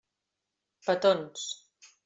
Petons.